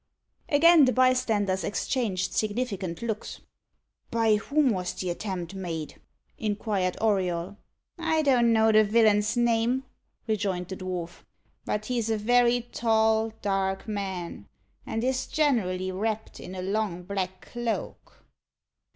Again the bystanders exchanged significant looks. "By whom was the attempt made?" inquired Auriol. "I don't know the villain's name," rejoined the dwarf, "but he's a very tall, dark man, and is generally wrapped in a long black cloak."